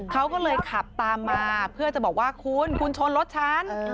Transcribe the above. เขาก็เลยขับตามมาเพื่อจะบอกว่าคุณคุณชนรถฉัน